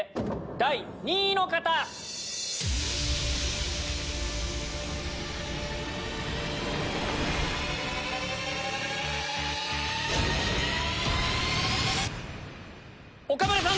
第２位岡村さん